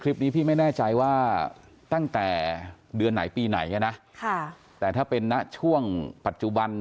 คลิปนี้พี่ไม่แน่ใจว่าตั้งแต่เดือนไหนปีไหนนะแต่ถ้าเป็นณช่วงปัจจุบัน